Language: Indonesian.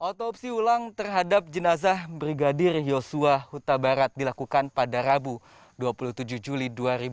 otopsi ulang terhadap jenazah brigadir yosua huta barat dilakukan pada rabu dua puluh tujuh juli dua ribu dua puluh